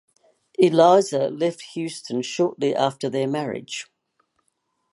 Eliza left Houston shortly after their marriage.